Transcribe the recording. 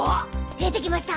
出てきました。